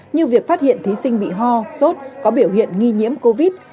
như việc phát hiện thí sinh bị ho sốt có biểu hiện nghi nhiễm covid